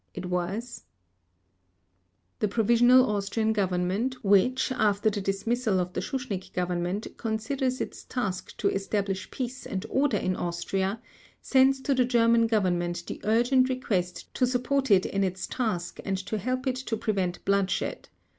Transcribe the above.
It was: "The provisional Austrian Government, which, after the dismissal of the Schuschnigg Government, considers its task to establish peace and order in Austria, sends to the German Government the urgent request to support it in its task and to help it to prevent bloodshed.